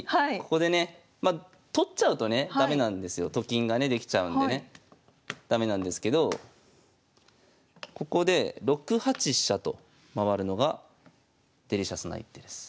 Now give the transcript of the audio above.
ここでねまあ取っちゃうとね駄目なんですよ。と金がねできちゃうんでね駄目なんですけどここで６八飛車と回るのがデリシャスな一手です。